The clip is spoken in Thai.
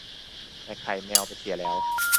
แต่ ไข่แมว ไปเสียแล้ว